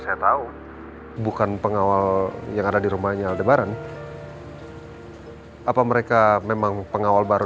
saya tahu bukan pengawal yang ada di rumahnya lebaran apa mereka memang pengawal baru